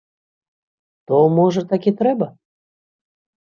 То, можа, так і трэба?